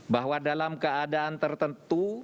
bahwa dalam keadaan tertentu